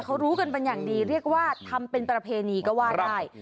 เขารู้กันเป็นอย่างดีเรียกว่าทำเป็นประเพณีก็ว่าได้